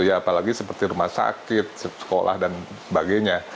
apalagi seperti rumah sakit sekolah dan sebagainya